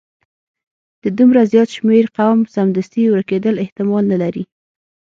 د دومره زیات شمیر قوم سمدستي ورکیدل احتمال نه لري.